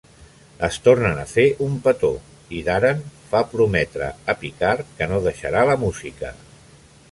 Es tornen a fer un petó, i Daren fa prometre a Picard que no deixarà la música.